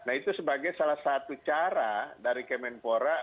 nah itu sebagai salah satu cara dari kemenpora